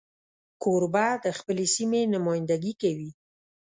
کوربه د خپلې سیمې نمایندګي کوي.